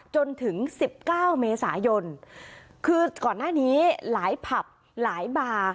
จนถึงสิบเก้าเมษายนคือก่อนหน้านี้หลายผับหลายบาร์